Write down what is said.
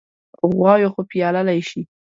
غواوې خو پيايلی شي.